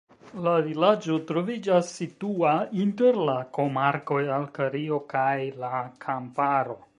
La vilaĝo troviĝas situa inter la komarkoj Alkario kaj la Kamparo.